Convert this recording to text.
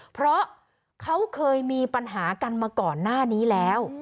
เพราะเขาเคยมีปัญหากันมาก่อนหน้านี้แล้ว